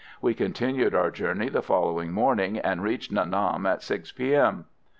We continued our journey the following morning, and reached Nha Nam at 6 P.M.